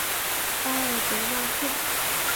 巴尔德纳克。